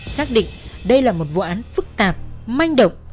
xác định đây là một vụ án phức tạp manh động